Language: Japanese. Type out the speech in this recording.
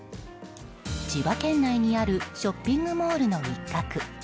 千葉県内にあるショッピングモールの一角。